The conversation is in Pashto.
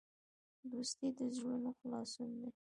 دوستي د زړونو خلاصون دی.